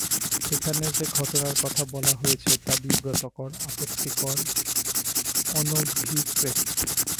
সেখানে যে ঘটনার কথা বলা হয়েছে তা বিব্রতকর, আপত্তিকর, অনভিপ্রেত।